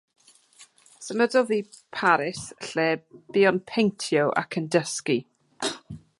Symudodd i Paris lle bu'n peintio ac yn dysgu.